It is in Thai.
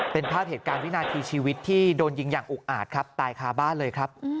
เป็นภาพเหตุการณ์วินาทีชีวิตที่โดนยิงอย่างอุกอาจครับตายคาบ้านเลยครับ